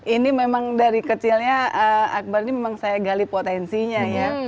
ini memang dari kecilnya akbar ini memang saya gali potensinya ya